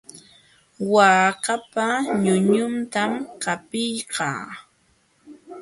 Waakapa ñuñuntam qapiykaa.